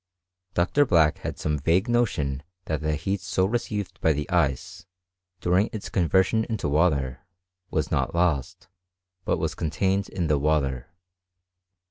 Dr. Black had some vague notion that the heat so received by the ice, during its conversion into water, was not lost, but was contained in the water.